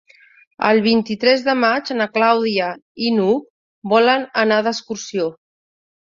El vint-i-tres de maig na Clàudia i n'Hug volen anar d'excursió.